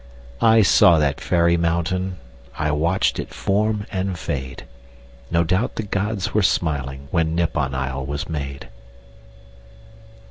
I saw that fairy mountain. ... I watched it form and fade. No doubt the gods were smiling, When Nippon isle was made.